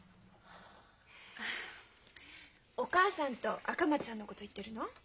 お母さんと赤松さんのこと言ってるの？